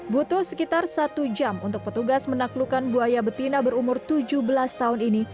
butuh sekitar satu jam untuk petugas menaklukkan buaya betina berumur tujuh belas tahun ini